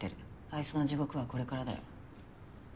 あいつの地獄はこれからだよ。